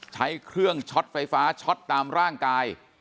ใช้เครื่องช็อตไฟฟ้าช็อตตามร่างกาย